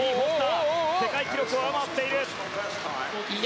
世界記録を上回っている。